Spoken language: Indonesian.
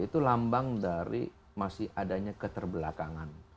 itu lambang dari masih adanya keterbelakangan